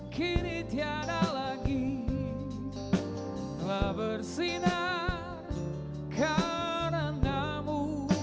kini tiada lagi telah bersinar karenamu